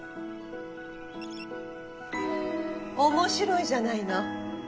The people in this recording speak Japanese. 面白いじゃないの。